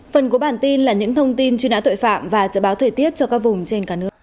phần của bản tin là những thông tin chuyên án tội phạm và dự báo thời tiết cho các vùng trên cả nước